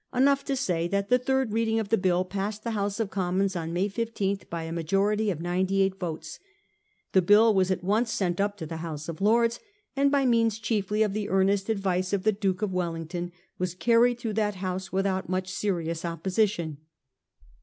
Enough to say that the third reading of the bill passed the House of Commons on May 15, by a majority of 98 votes. The bill was at once sent up to the House of Lords, and by means cMefly of the earnest advice of the Duke of Wellington, was carried through that House without much serious opposition.